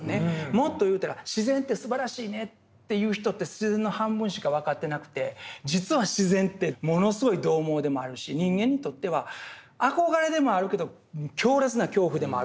もっと言うたら自然ってすばらしいねって言う人って自然の半分しか分かってなくて実は自然ってものすごい獰猛でもあるし人間にとっては憧れでもあるけど強烈な恐怖でもあるでしょう。